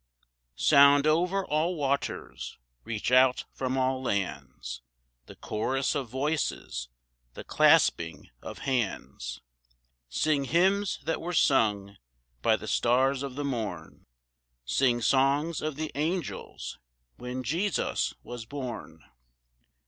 Sound over all waters, reach out from all lands, The chorus of voices, the clasping of hands; Sing hymns that were sung by the stars of the morn, Sing songs of the angels when Jesus was born!